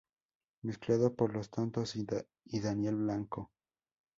Mezclado por Los Tontos y Daniel Blanco.